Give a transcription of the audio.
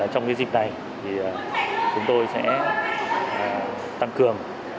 trong dịp này chúng tôi sẽ tăng cường